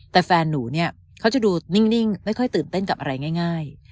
แต่แฟนหนูเนี่ยเขาจะดูนิ่งไม่ค่อยตื่นเต้นกับอะไรง่าย